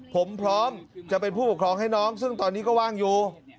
ผมพร้อมจะเป็นผู้ปกครองให้น้องซึ่งตอนนี้ก็ว่างอยู่